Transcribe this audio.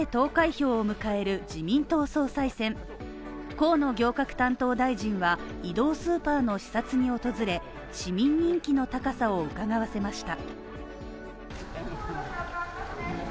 河野行革担当大臣は移動スーパーの視察に訪れ、市民人気の高さをうかがわせました。